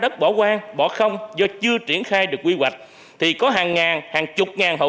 đất bỏ hoang bỏ không do chưa triển khai được quy hoạch thì có hàng ngàn hàng chục ngàn hậu